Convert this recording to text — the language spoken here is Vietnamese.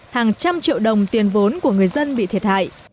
hàng trăm triệu đồng tiền vốn của người dân bị thiệt hại